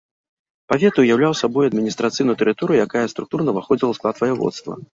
Павет уяўляў сабой адміністрацыйную тэрыторыю, якая структурна ўваходзіла ў склад ваяводства.